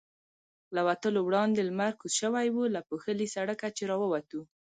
له وتلو وړاندې لمر کوز شوی و، له پوښلي سړکه چې را ووتو.